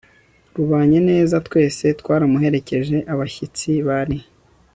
rubanye neza twese twaramuherekeje abashyitsi bari